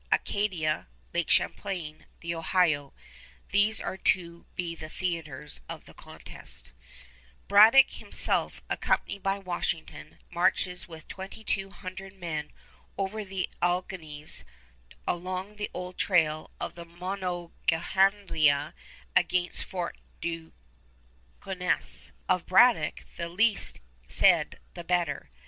Acadia, Lake Champlain, the Ohio, these are to be the theaters of the contest. [Illustration: TITLE PAGE OF WASHINGTON'S JOURNAL] Braddock himself, accompanied by Washington, marches with twenty two hundred men over the Alleghenies along the old trail of the Monongahela against Fort Duquesne. Of Braddock, the least said the better.